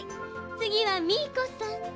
つぎはミーコさん。